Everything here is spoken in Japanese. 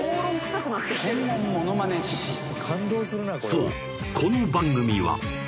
［そうこの番組は］